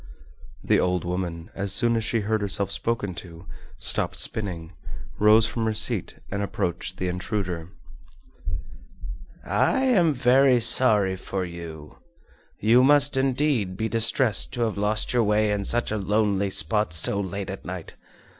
The old woman as soon as she heard herself spoken to stopped spinning, rose from her seat and approached the intruder. "I am very sorry for you. You must indeed be distressed to have lost your way in such a lonely spot so late at night.